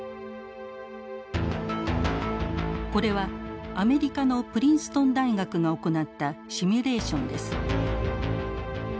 これはアメリカのプリンストン大学が行ったシミュレーションです。